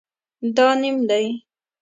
دا نیم دی